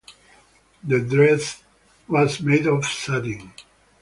The dress was made of satin.